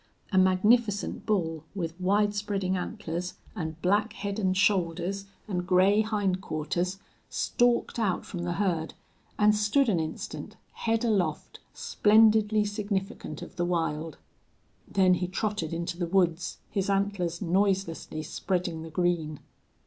A magnificent bull, with wide spreading antlers, and black head and shoulders and gray hind quarters, stalked out from the herd, and stood an instant, head aloft, splendidly significant of the wild. Then he trotted into the woods, his antlers noiselessly spreading the green.